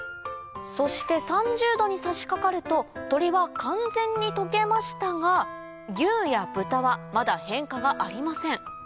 そして３０℃に差しかかると鶏は完全に溶けましたが牛や豚はまだ変化がありません